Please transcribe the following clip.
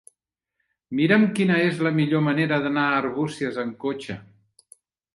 Mira'm quina és la millor manera d'anar a Arbúcies amb cotxe.